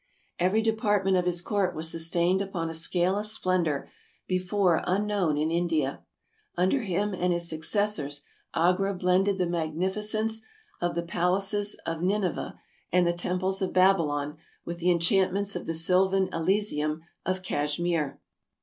Every department of his court was sustained upon a scale of splendor before unknown in India. Under him and his successors Agra blended the magnificence of the palaces of 316 TRAVELERS AND EXPLORERS Nineveh and the temples of Babylon with the enchantments of the sylvan elysium of Cashmere.